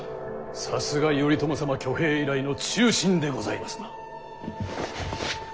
さすが頼朝様挙兵以来の忠臣でございますな。